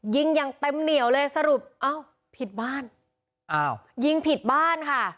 ยิงยังเต็มเหนี่ยวเลยสรุปอ้าวผิดบ้านอ๋อยิงผิดบ้านค่ะ